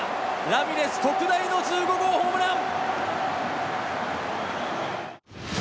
ラミレス特大の１５号ホームラン。